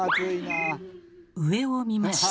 上を見ました。